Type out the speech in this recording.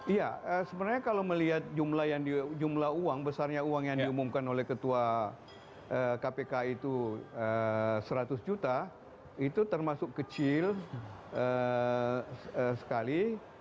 iya sebenarnya kalau melihat jumlah uang besarnya uang yang diumumkan oleh ketua kpk itu seratus juta itu termasuk kecil sekali